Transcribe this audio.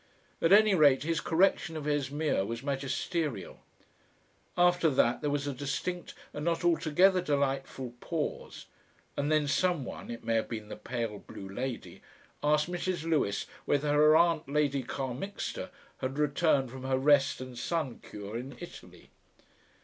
At any rate, his correction of Esmeer was magisterial. After that there was a distinct and not altogether delightful pause, and then some one, it may have been the pale blue lady, asked Mrs. Lewis whether her aunt Lady Carmixter had returned from her rest and sun cure in Italy.